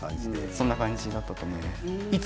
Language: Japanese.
そんな感じだったと思います。